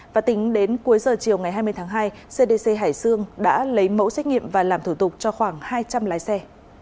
và tính đến cuối giờ chiều ngày hai mươi tháng hai cdc hải dương đã lấy mẫu xét nghiệm và làm thủ tục cho khoảng hai trăm linh lái xe